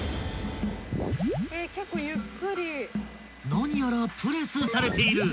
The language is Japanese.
［何やらプレスされている。